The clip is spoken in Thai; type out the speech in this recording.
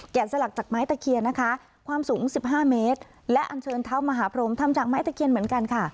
สลักจากไม้ตะเคียนนะคะความสูง๑๕เมตรและอันเชิญเท้ามหาพรมทำจากไม้ตะเคียนเหมือนกันค่ะ